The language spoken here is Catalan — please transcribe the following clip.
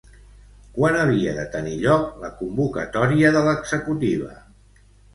Quan havia de tenir lloc la convocatòria de l'executiva?